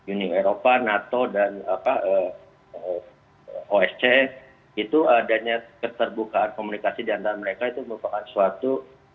union europe nato dan osce itu adanya keterbukaan komunikasi di antara mereka itu merupakan suatu